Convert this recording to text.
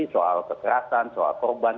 soal kekerasan soal korban